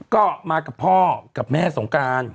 ก็มากับพ่อกับแม่สงการ